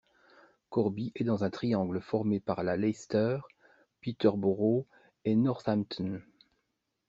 Corby est dans un triangle formé par la Leicester, Peterborough et Northampton.